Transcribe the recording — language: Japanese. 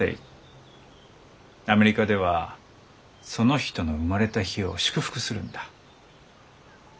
アメリカではその人の生まれた日を祝福するんだ。